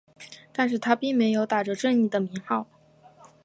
但是他并没有打着正义的名号。